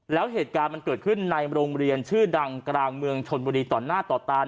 แล้วเหตุการณ์มันเกิดขึ้นในโรงเรียนชื่อดังกลางเมืองชนบุรีต่อหน้าต่อตา